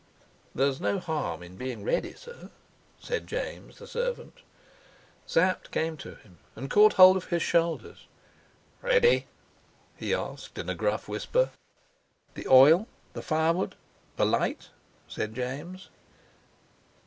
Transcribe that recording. "There's no harm in being ready, sir," said James, the servant. Sapt came to him and caught hold of his shoulders. "Ready?" he asked in a gruff whisper. "The oil, the firewood, the light," said James.